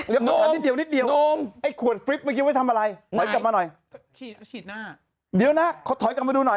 ลองแปลว่า